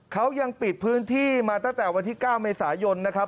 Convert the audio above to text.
เขายังปิดพื้นที่มาตั้งแต่วันที่๙เมษายนนะครับ